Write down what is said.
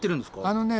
あのね